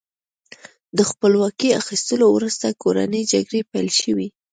د خپلواکۍ اخیستلو وروسته کورنۍ جګړې پیل شوې.